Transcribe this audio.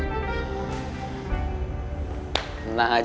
ulan kan bantet kasur lo